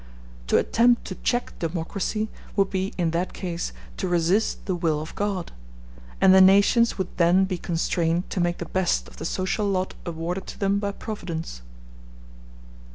To attempt to check democracy would be in that case to resist the will of God; and the nations would then be constrained to make the best of the social lot awarded to them by Providence.